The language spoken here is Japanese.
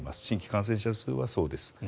新規感染者数はそうです。